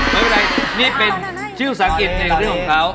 อ๋อไม่เป็นไรนี่เป็นชื่อภาษาอังกฤษในเรื่องของเขา